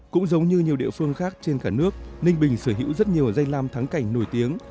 cũng giống như nhiều địa phương khác trên cả nước ninh bình sở hữu rất nhiều danh lam thắng cảnh nổi tiếng